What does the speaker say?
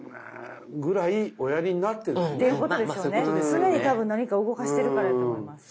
常に多分何か動かしてるからやと思います。